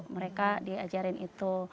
mereka diajarin itu